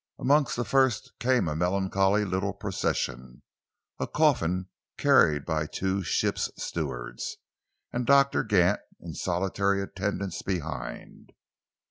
Amongst the first came a melancholy little procession a coffin carried by two ship's stewards, with Doctor Gant in solitary attendance behind.